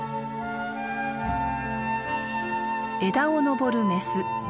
枝をのぼるメス。